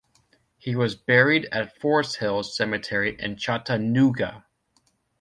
He was buried at Forest Hills Cemetery in Chattanooga.